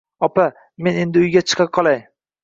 Opa, men endi uyga chiqa qolay